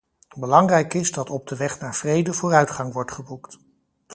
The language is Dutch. Belangrijk is dat op de weg naar vrede vooruitgang wordt geboekt.